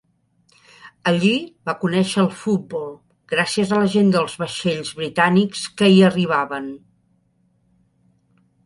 Allí va conèixer el futbol gràcies a la gent dels vaixells britànics que hi arribaven.